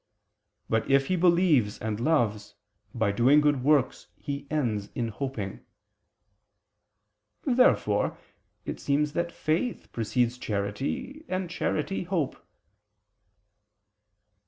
But if he believes and loves, by doing good works he ends in hoping." Therefore it seems that faith precedes charity, and charity hope.